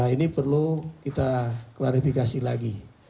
ini perlu kita klarifikasi lagi